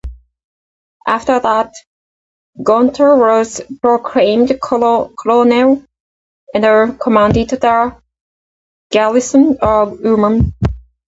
After that, Gonta was proclaimed colonel and commanded the garrison of Uman.